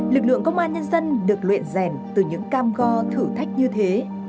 lực lượng công an nhân dân được luyện rèn từ những cam go thử thách như thế